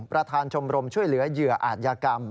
ประธานชมรมช่วยเหลือเหยื่ออาจยากรรม